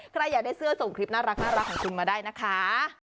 ใครอยากได้เสื้อส่งคลิปน่ารักของคุณมาได้นะคะ